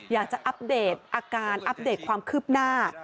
อัปเดตอาการอัปเดตความคืบหน้า